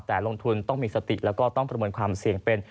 แต่ลงทุนต้องมีสติแล้วก็ต้องประเมินความเสี่ยงเป็น